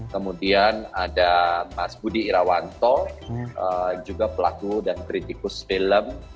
kemudian ada mas budi irawanto juga pelaku dan kritikus film